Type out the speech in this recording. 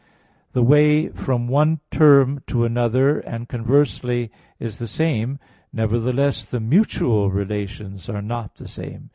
5: The way from one term to another and conversely is the same; nevertheless the mutual relations are not the same.